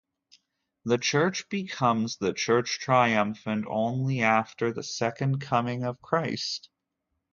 The church becomes the Church Triumphant only after the second coming of Christ.